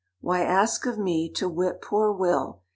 — Why ask of me to whip poor Will?